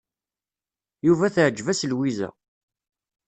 Yuba teɛjeb-as Lwiza.